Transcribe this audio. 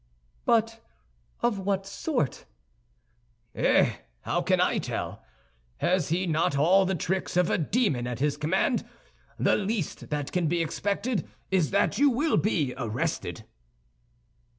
"But of what sort?" "Eh! How can I tell? Has he not all the tricks of a demon at his command? The least that can be expected is that you will be arrested."